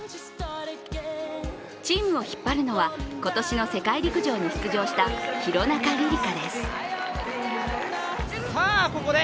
チームを引っ張るのは今年の世界陸上に出場した廣中璃梨佳です。